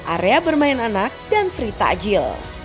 area bermain anak dan free takjil